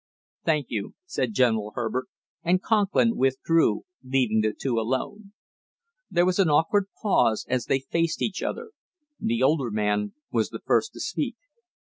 "Thank you!" said General Herbert, and Conklin withdrew, leaving the two alone. There was an awkward pause as they faced each other. The older man was the first to speak.